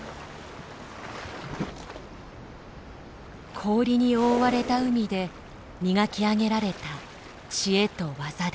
氷に覆われた海で磨き上げられた知恵と技です。